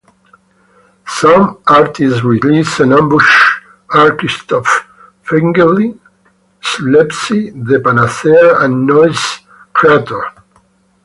Some artists released on Ambush are Christoph Fringeli, Slepcy, The Panacea, and Noize Creator.